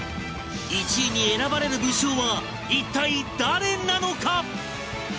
１位に選ばれる武将は一体誰なのか？